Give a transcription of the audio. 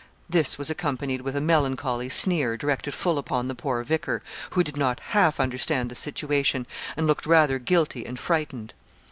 This was accompanied with a melancholy sneer directed full upon the poor vicar, who did not half understand the situation, and looked rather guilty and frightened.